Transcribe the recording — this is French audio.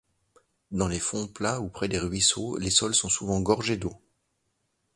Dans les fonds plats ou près des ruisseaux, les sols sont souvent gorgés d'eau.